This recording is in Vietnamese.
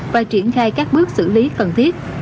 và triển khai các bước xử lý cần thiết